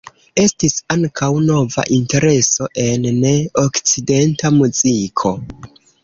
Estis ankaŭ nova intereso en ne-okcidenta muziko.